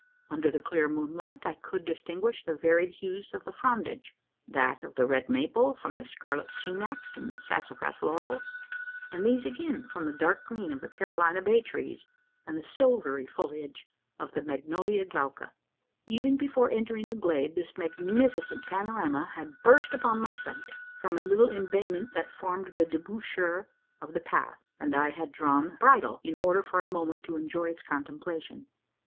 Under the clear moonlight, I could distinguish the varied hues of the frondage that of the red maple from the scarlet sumacs and sassafras laurels; and these again, from the dark green of the Carolina bay trees, and the silvery foliage of the Magnolia glauca. Even before entering the glade, this magnificent panorama had burst upon my sight from a little embayment that formed the debouchure of the path and I had drawn bridle, in order for a moment to enjoy its contemplation.